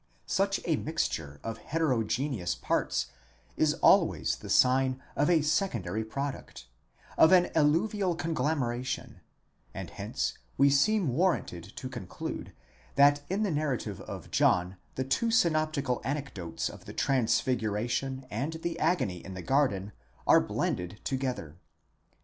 Such a mixture of heterogeneous parts is always the sign of a secondary product, of an alluvial conglomera tion ; and hence we seem warranted to conclude, that in the narrative of John the two synoptical anecdotes of the transfiguration and the agony in the garden are blended together.